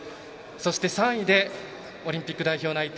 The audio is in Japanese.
そして３位でオリンピック代表内定